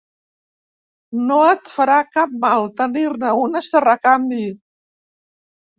No et farà cap mal tenir-ne unes de recanvi.